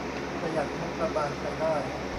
ประหยัดงบประมาณไปได้